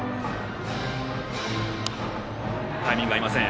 タイミングが合いません。